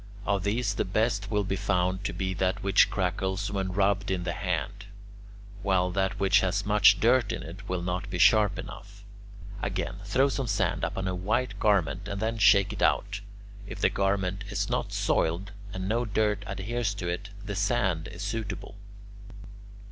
Of these the best will be found to be that which crackles when rubbed in the hand, while that which has much dirt in it will not be sharp enough. Again: throw some sand upon a white garment and then shake it out; if the garment is not soiled and no dirt adheres to it, the sand is suitable. 2.